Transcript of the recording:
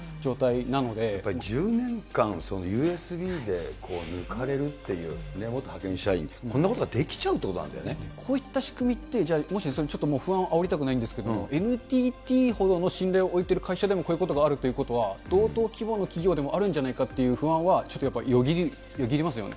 やっぱり１０年間、ＵＳＢで抜かれるっていう、元派遣社員、こんなことができちこういった仕組みって、じゃあもし、不安をあおりたくないんですけれども、ＮＴＴほどの信頼を置いてる会社でもこういうことがあるということは、同等規模の企業でもあるんじゃないかという不安はちょっとやっぱりよぎりますよね。